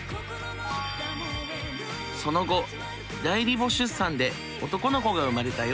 その後代理母出産で男の子が生まれたよ。